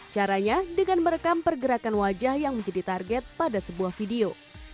caranya dengan merekam pergerakan wajah yang menjadi target pada sebuah video